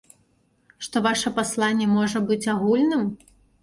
Што ваша пасланне можа быць агульным?